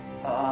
あ！